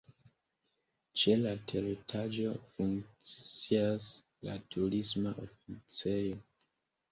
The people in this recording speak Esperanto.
Ĉe la teretaĝo funkcias la Turisma Oficejo.